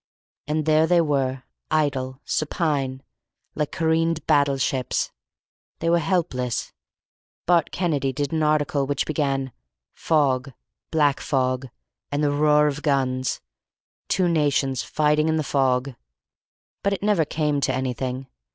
And there they were idle, supine like careened battleships. They were helpless. Bart Kennedy did start an article which began, "Fog. Black fog. And the roar of guns. Two nations fighting in the fog," but it never came to anything.